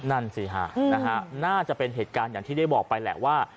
นั่นสิฮะนะฮะน่าจะเป็นเหตุการณ์อย่างที่ได้บอกไปแหละว่า